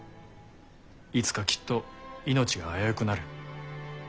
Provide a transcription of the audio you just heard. いつかきっと命が危うくなる。